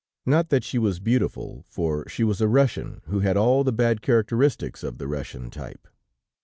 Not that she was beautiful, for she was a Russian who had all the bad characteristics of the Russian type.